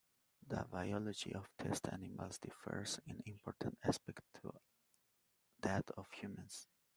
The biology of test animals differs in important aspects to that of humans.